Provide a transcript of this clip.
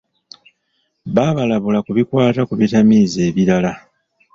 Babalabula ku bikwata ku bitamiiza ebirala.